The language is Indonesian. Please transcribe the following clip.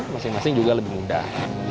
masing masing juga lebih mudah